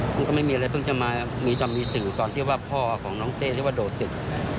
มันก็ไม่มีอะไรเพิ่งจะมามีตอนมีสื่อตอนที่ว่าพ่อของน้องเต้ที่ว่าโดดตึก